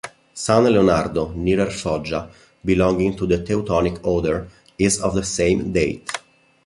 San Leonardo, nearer Foggia, belonging to the Teutonic Order, is of the same date.